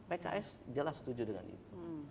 pks jelas setuju dengan itu